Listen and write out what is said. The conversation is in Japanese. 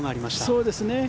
そうですね。